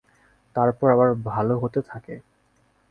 তারপর আবার ভালো হতে থাকে।